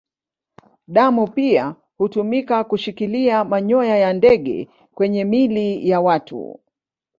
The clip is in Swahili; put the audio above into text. Damu pia hutumika kushikilia manyoya ya ndege kwenye miili ya watu.